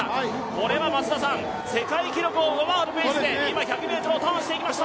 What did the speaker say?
これは世界記録を上回るペースで今、ターンしていきました。